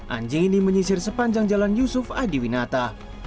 anjing ini menyisir sepanjang jalan yusuf adiwinata